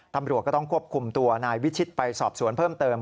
ตำรวจก็ต้องควบคุมตัวนายวิชิตไปสอบสวนเพิ่มเติม